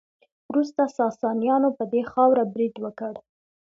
وروسته ساسانیانو په دې خاوره برید وکړ